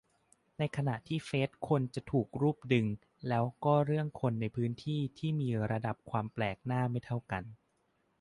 ในขณะที่เฟซคนจะถูกรูปดึง แล้วก็เรื่องคนในพื้นที่ ที่มีระดับความแปลกหน้าไม่เท่ากัน